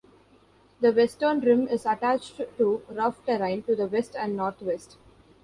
The western rim is attached to rough terrain to the west and northwest.